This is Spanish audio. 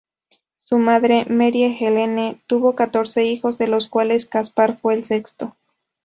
Su madre, Marie Helene tuvo catorce hijos, de los cuales Caspar fue el sexto.